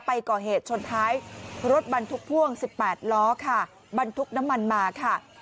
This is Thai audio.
ไปก่อเหตุชนท้ายรถบรรทุกพ่วง๑๘ล้อค่ะบรรทุกน้ำมันมาค่ะ